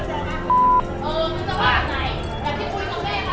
อย่าเอามันเดินเข้ามา